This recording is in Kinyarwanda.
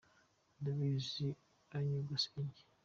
Ndabizi banyogosenge